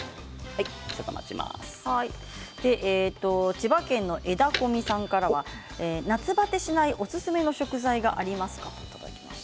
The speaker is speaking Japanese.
千葉県の方から夏バテしないおすすめの食材がありますか？ときています。